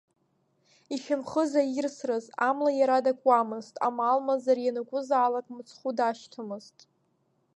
Ишьамхы заирсрыз, амла иара дакуамызт, амал-мазара ианакәызаалак мыцхәы дашьҭамызт.